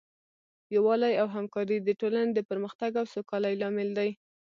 یووالی او همکاري د ټولنې د پرمختګ او سوکالۍ لامل دی.